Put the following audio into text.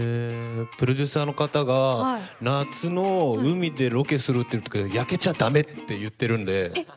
プロデューサーの方が夏の海でロケするけど焼けちゃ駄目って言ってるんで。